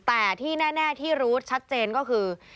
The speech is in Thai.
แต่ที่แน่ที่รู้ชัดเจนก็คือ